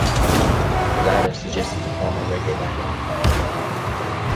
The latter suggested to form a reggae-band.